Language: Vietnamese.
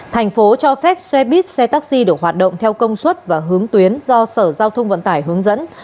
thành phố cho phép xe buýt xe taxi được hoạt động theo công suất và hướng tuyến do sở giao thông vận tải hướng dẫn